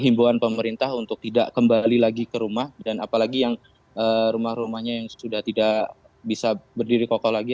himbawan pemerintah untuk tidak kembali lagi ke rumah dan apalagi yang rumah rumahnya yang sudah tidak bisa berdiri kokoh lagi